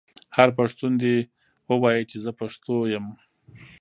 هر پښتون دې ووايي چې زه پښتو یم.